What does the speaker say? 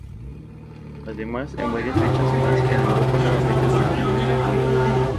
Además de varias fechas más, en Europa nuevamente, durante el mes de julio.